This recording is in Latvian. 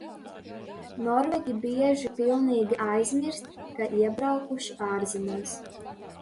Norvēģi bieži pilnīgi aizmirst, ka iebraukuši ārzemēs.